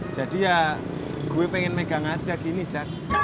jadi ya gue pengen megang aja gini jack